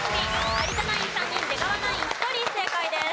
有田ナイン３人出川ナイン１人正解です。